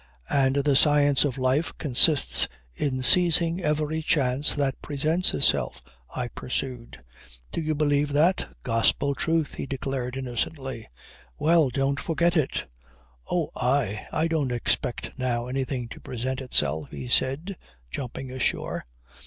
"And the science of life consists in seizing every chance that presents itself," I pursued. "Do you believe that?" "Gospel truth," he declared innocently. "Well, don't forget it." "Oh, I! I don't expect now anything to present itself," he said, jumping ashore.